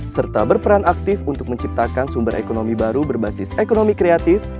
serta berperan aktif untuk menciptakan sumber ekonomi baru berbasis ekonomi kreatif